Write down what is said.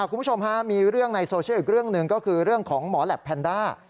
คุณผู้ชมฮะมีเรื่องในโซเชียลอีกเรื่องหนึ่งก็คือเรื่องของหมอแหลปแพนด้า